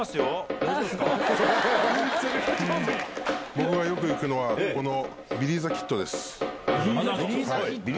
僕がよく行くのはこのビリー・ザ・キットです。